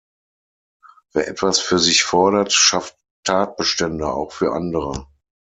Wer etwas für sich fordert, schafft Tatbestände auch für andere.